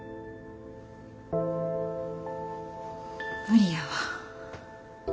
無理やわ。